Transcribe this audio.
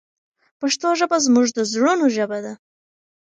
پښتو ژبه زموږ د زړونو ژبه ده.